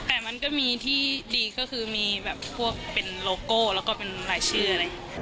แต่มันก็มีที่ดีก็คือมีพวกเป็นโลโก้แล้วก็เป็นหลายชื่อ